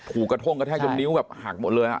กระท่งกระแทกจนนิ้วแบบหักหมดเลย